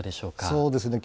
そうですね。